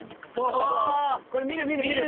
これ見る見る見る！